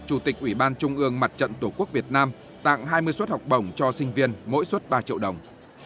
chủ tịch ủy ban trung ương mặt trận tổ quốc việt nam tặng hai mươi suất học bổng cho sinh viên mỗi suất ba triệu đồng